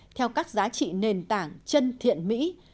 theo các giá trị nền tảng chân thiện mỹ